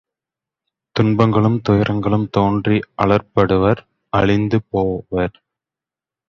துன்பங்களும், துயரங்களும் தோன்றி அல்லற்படுவர் அழிந்து போவர்.